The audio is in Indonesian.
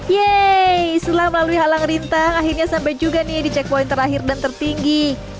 yeay setelah melalui halang rintang akhirnya sampai juga nih di checkpoint terakhir dan tertinggi